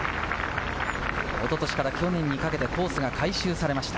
おととしから去年にかけてコースが改修されました。